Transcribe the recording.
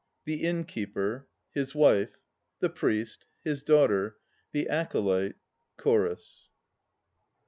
THE INNKEEPER. HIS WIFE. THE PRIEST. HIS DAUGHTER. THE ACOLYTE. CHORUS.